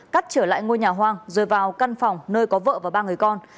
cắt trở lại ngôi nhà hoang rồi vào căn phòng nơi có vợ và ba người con